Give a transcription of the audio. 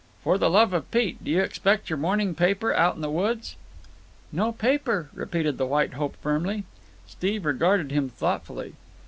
"For the love of Pete! Do you expect your morning paper out in the woods?" "No paper," repeated the White Hope firmly. Steve regarded him thoughtfully.